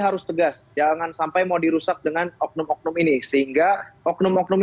ada yang mengganti